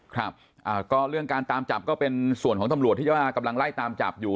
ครับก็เรื่องการตามจับก็เป็นส่วนของตำรวจที่ว่ากำลังไล่ตามจับอยู่